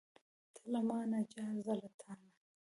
ته له مانه جار، زه له تانه.